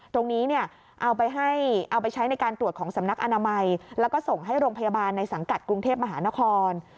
ตรงนี้เนี่ยเอาไปใช้ในการตรวจของสำนักอนามัยแล้วก็ส่งให้โรงพยาบาลในสังกัดกรุงเทพมหานคร